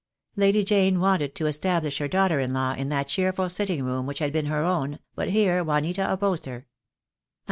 Lady Jane wanted to establish her daughter in law in that cheerful sitting room which had been her own, but here Juanita opposed her.